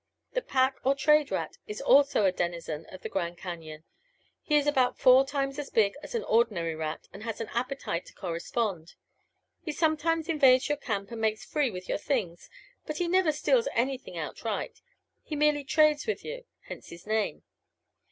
The pack or trade rat is also a denizen of the Grand Cañon. He is about four times as big as an ordinary rat and has an appetite to correspond. He sometimes invades your camp and makes free with your things, but he never steals anything outright he merely trades with you; hence his name.